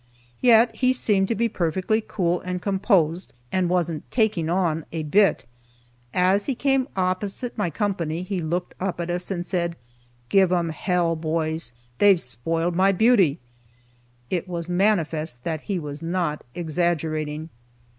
Yet he seemed to be perfectly cool and composed and wasn't "taking on" a bit. As he came opposite my company, he looked up at us and said, "Give 'em hell, boys! They've spoiled my beauty." It was manifest that he was not exaggerating.